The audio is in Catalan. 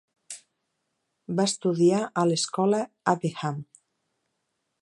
Va estudiar a l'escola Uppingham.